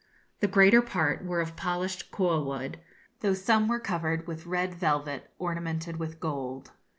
The greater part were of polished koa wood, though some were covered with red velvet ornamented with gold.